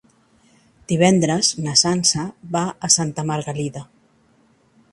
Divendres na Sança va a Santa Margalida.